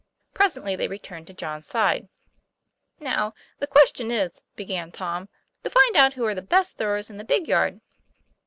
Presently they returned to John's side. 'Now, the question is," began Tom, "to find out who are the best throwers in the big yard."